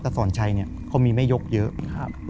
ตะสอนชัยเขามีไม่ยกเยอะ